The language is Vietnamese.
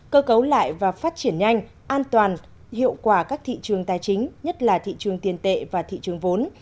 cơ cấu lại và phát triển nhanh an toàn hiệu quả các thị trường tài chính nhất là thị trường tiền tệ và thị trường vốn